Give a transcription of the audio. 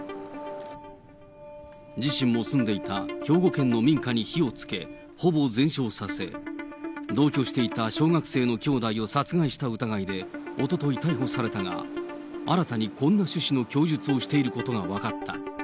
自身も住んでいた兵庫県の民家に火をつけ、ほぼ全焼させ、同居していた小学生の兄弟を殺害した疑いでおととい、逮捕されたが、新たにこんな趣旨の供述をしていることが分かった。